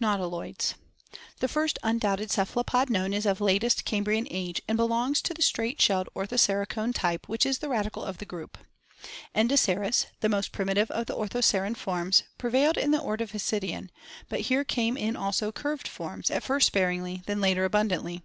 Nautiloids. The first undoubted cephalopod known is of latest Cam brian age, and belongs to the straight shelled Ortho ceracone type which is the radicle of the group. En doceras, the most primitive of orthoceran forms, pre vailed in the Ordovician, Fro. ho. — Limiia Fig. W. Gynam sbdi. but here came in also sbeU (A""Zittd.) curved forms, at first sparingly, then later abundantly.